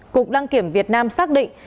cục đăng kiểm việt nam xác định